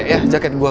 ya jaket gua